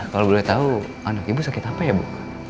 kalau boleh tahu anak ibu sakit apa ya bu